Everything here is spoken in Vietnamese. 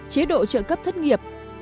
chế độ trợ cấp thất nghiệp